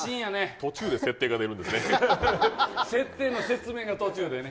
途中で設定が出るんですね。